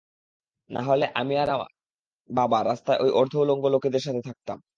নাহলে আমি আর আমার বাব রাস্তায় ওই অর্ধ উলঙ্গ লোকেদের সাথে থাকতাম।